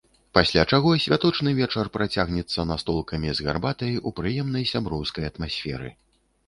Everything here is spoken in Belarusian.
Пасля чаго святочны вечар працягнецца настолкамі з гарбатай у прыемнай сяброўскай атмасферы.